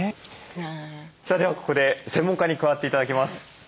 さあではここで専門家に加わって頂きます。